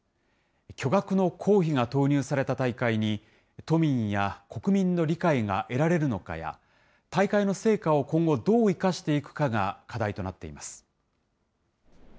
巨額の公費が投入された大会に、都民や国民の理解が得られるのかや、大会の成果を今後、どう生かしていくかが、課題となっています。